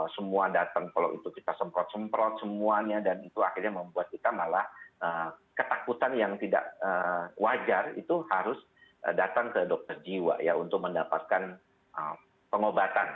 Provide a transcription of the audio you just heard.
semua datang kalau itu kita semprot semprot semuanya dan itu akhirnya membuat kita malah ketakutan yang tidak wajar itu harus datang ke dokter jiwa ya untuk mendapatkan pengobatan